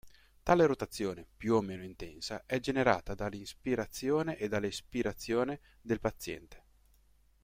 Tale rotazione, più o meno intensa, è generata dall'inspirazione e dall'espirazione del paziente.